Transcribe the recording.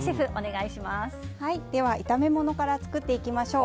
では炒め物から作っていきましょう。